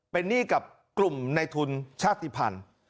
เป็นหนี้กับกลุ่มในทุนชาติภัณฑ์